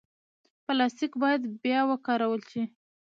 پلاستيک باید بیا وکارول شي.